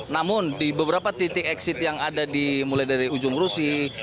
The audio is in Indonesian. namun di beberapa titik exit yang ada mulai dari ujung rusi